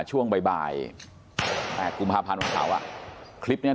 ช่วงบ่ายบ่ายฮ่าเก